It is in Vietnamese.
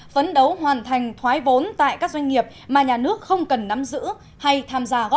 phấn đấu hoàn thành thoái vốn tại các doanh nghiệp mà nhà nước không cần nắm giữ hay tham gia góp